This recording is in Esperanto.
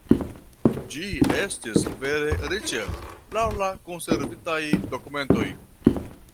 Ĝi estis vere riĉa, laŭ la konservitaj dokumentoj.